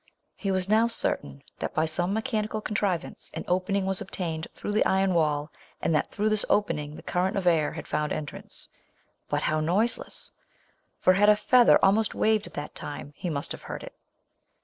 He was now certain, that, by some mechanical contrivance, an opening was obtained through the iron wall, and that through this opening the current of air had found entrance. But how noiseless ! For had a fea ther almost waved at the time, he must have heard it.